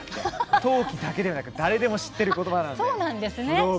陶器だけではなく誰でも知っている色です。